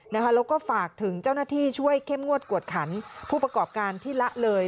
แล้วก็ฝากถึงเจ้าหน้าที่ช่วยเข้มงวดกวดขันผู้ประกอบการที่ละเลย